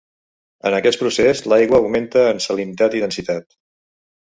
En aquest procés, l'aigua augmenta en salinitat i densitat.